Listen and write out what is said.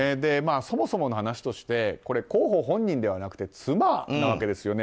そもそもの話としてこれ、候補本人ではなく妻なんですよね。